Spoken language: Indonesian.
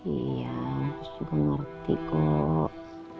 iya terus juga ngerti kok